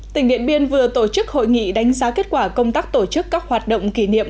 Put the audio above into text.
tỉnh điện biên vừa tổ chức hội nghị đánh giá kết quả công tác tổ chức các hoạt động kỷ niệm